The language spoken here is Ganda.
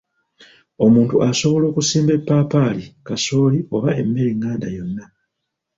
"Omuntu asobola okusimba eppaapaali, kasooli, oba emmere enganda yonna."